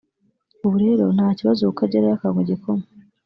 ubu rero nta kibazo kuko agerayo akanywa igikoma